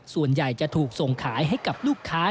ส่วนใหญ่จะถูกส่งขายให้กับลูกค้า